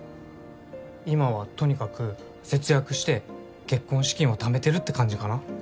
今はとにかく節約して結婚資金をためてるって感じかな。